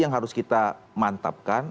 yang harus kita mantapkan